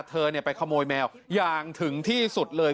เธอไปขโมยแมวอย่างถึงที่สุดเลย